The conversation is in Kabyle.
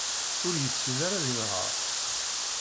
Ur yessin ara ad inher.